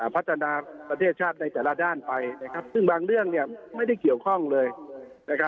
พัฒนาประเทศชาติในแต่ละด้านไปนะครับซึ่งบางเรื่องเนี่ยไม่ได้เกี่ยวข้องเลยนะครับ